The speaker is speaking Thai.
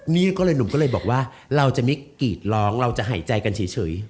นี่ก็เลยหนุ่มก็เลยบอกว่าเราจะไม่กรีดร้องเราจะหายใจกันเฉย